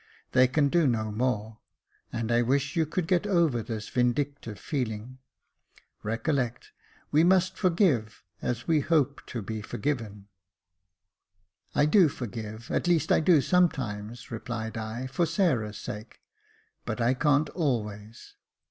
They can do no more, and I wish you could get over this vindictive feeling. Recollect, we must forgive, as we hope to be forgiven." 222 Jacob Faithful "I do forgive — at least, I do sometimes," replied I, " for Sarah's sake — but I can't always."